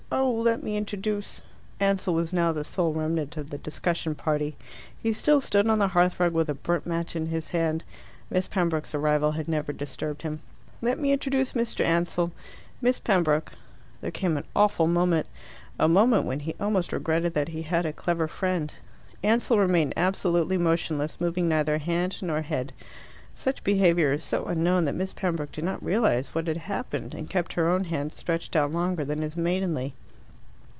Oh, let me introduce " Ansell was now the sole remnant of the discussion party. He still stood on the hearthrug with a burnt match in his hand. Miss Pembroke's arrival had never disturbed him. "Let me introduce Mr. Ansell Miss Pembroke." There came an awful moment a moment when he almost regretted that he had a clever friend. Ansell remained absolutely motionless, moving neither hand nor head. Such behaviour is so unknown that Miss Pembroke did not realize what had happened, and kept her own hand stretched out longer than is maidenly.